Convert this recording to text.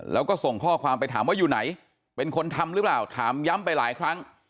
แล้วก็ส่งข้อความไปถามว่าอยู่ไหนเป็นคนทำหรือเปล่าถามย้ำไปหลายครั้ง